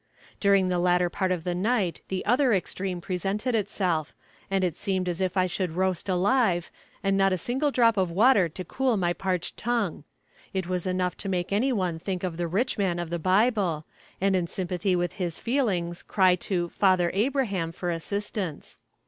During the latter part of the night the other extreme presented itself, and it seemed as if I should roast alive, and not a single drop of water to cool my parched tongue; it was enough to make any one think of the "rich man" of the Bible, and in sympathy with his feelings cry to "Father Abraham" for assistance.